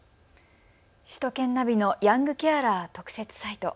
首都圏ナビのヤングケアラー特設サイト。